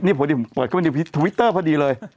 นี่พอดีผมเปิดเข้าไปในทวิตเตอร์พอดีเลย